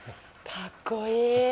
かっこいい。